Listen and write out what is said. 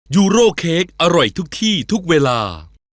ยูโร่เค้กอร่อยทุกที่ทุกเวลา